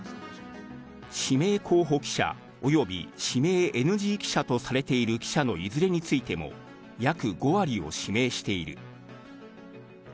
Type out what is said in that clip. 指名候補記者及び指名ＮＧ記者とされている記者のいずれについても、約５割を指名している。